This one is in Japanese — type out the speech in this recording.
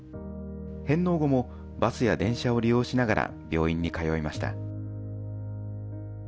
返納後もバスや電車を利用しながら、病院に通いました。